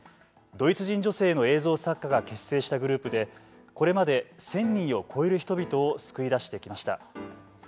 ドイツ人女性の映像作家が結成したグループで、これまで１０００人を超える人々を救い出してきました。